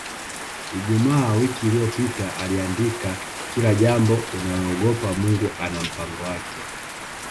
Ijumaa wiki iliyopita aliandika Kila jambo unaloogopa Mungu ana mpango wake